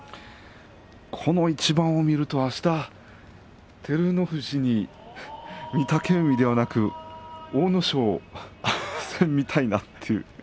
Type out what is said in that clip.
この一番を見るとあした照ノ富士に御嶽海ではなく阿武咲を見たいなという。